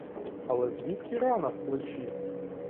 Але звідки рана в плечі?